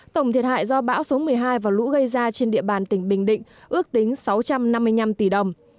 tổng thiệt hại do bão số một mươi hai và lũ gây ra trên địa bàn tỉnh bình định ước tính sáu trăm năm mươi năm tỷ đồng